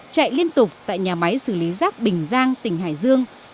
chạy liên tục tại nhà máy xử lý rác bình giang tỉnh hải dương